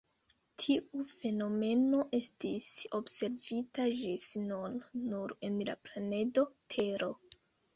Tiu fenomeno estis observita ĝis nun nur en la planedo Tero.